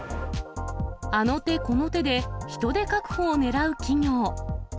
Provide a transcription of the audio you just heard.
あの手この手で、人手確保をねらう企業。